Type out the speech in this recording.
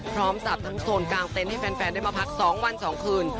พร้อมสับทั้งโซนกลางเต็นท์ให้แฟนได้มาพักสองวันสองคืน